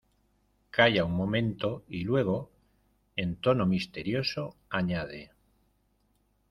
calla un momento y luego, en tono misterioso , añade: